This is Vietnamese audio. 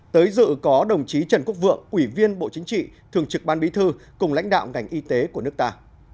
tới dự có đồng chí trần quốc vượng ủy viên bộ chính trị thường trực ban bí thư cùng lãnh đạo ngành y tế của nước ta